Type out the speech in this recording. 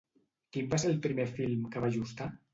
Quin va ser el primer film que va ajustar?